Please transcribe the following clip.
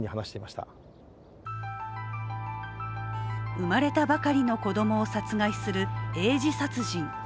生まれたばかりの子どもを殺害するえい児殺人